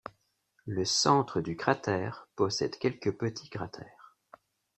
Le centre du cratère possède quelques petits cratères.